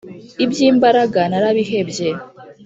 iby'imbaraga narabihebye.